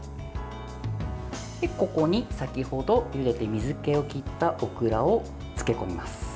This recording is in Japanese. ここに先ほどゆでて水けを切ったオクラを漬け込みます。